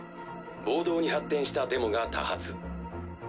暴動に発展したデモが多発。